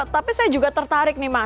tapi saya juga tertarik nih mas